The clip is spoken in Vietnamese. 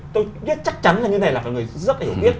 tôi biết chắc chắn như thế này là một người rất hiểu biết